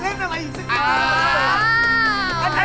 เบอร์๓มี๕เลยนะ